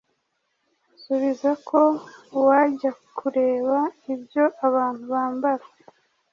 asubiza ko uwajya kureba ibyo abantu bambara